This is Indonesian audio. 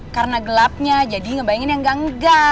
karena gelapnya jadi ngebayangin yang gangga